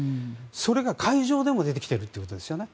それが海上でも出てきているということですね。